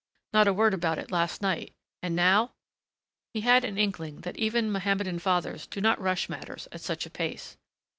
Not a word about it last night. And now He had an inkling that even Mohammedan fathers do not rush matters at such a pace.